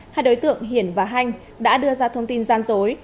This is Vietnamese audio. hai đối tượng hiển và hanh đã đưa ra thông tin gian dối